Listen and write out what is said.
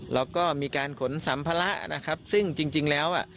แล้วก็มีการขนสัมภาระนะครับซึ่งจริงแล้วอ่ะ